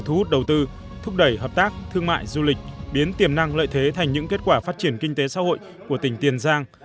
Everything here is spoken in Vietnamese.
thu hút đầu tư thúc đẩy hợp tác thương mại du lịch biến tiềm năng lợi thế thành những kết quả phát triển kinh tế xã hội của tỉnh tiền giang